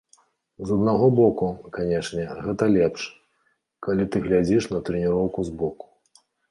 З аднаго боку, канешне, гэта лепш, калі ты глядзіш на трэніроўкі збоку.